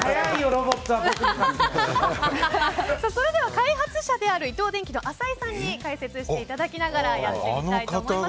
開発者である伊藤電機の浅井さんに解説していただきながらやってみたいと思います。